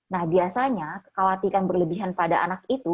nah biasanya kekhawatiran berlebihan pada anak itu